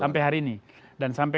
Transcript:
sampai sekarang menurut pak